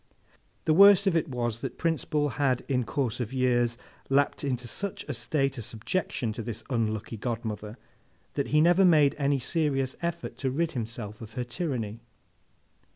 The worst of it was, that Prince Bull had in course of years lapsed into such a state of subjection to this unlucky godmother, that he never made any serious effort to rid himself of her tyranny.